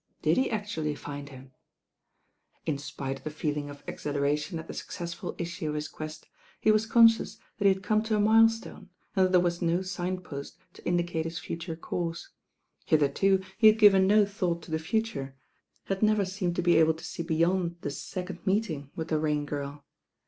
Did he actually find him? In spite of the feeling of exhilaration at the suc cessful issue of his quest, he was conscious that he had come to a mile stone, and that there was no sign post to indicate his future course. Hitherto he had given no thought to the future, had never seemed to be able to see beyond the second meeting with the Kam Girl.